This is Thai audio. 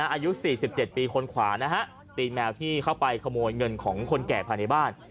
อายุ๔๗ปีคนขวานะฮะตีแมวที่เข้าไปขโมยเงินของคนแก่ภายในบ้าน